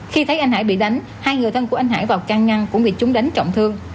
khi thấy anh hải bị đánh hai người thân của anh hải vào căn ngăn cũng bị chúng đánh trọng thương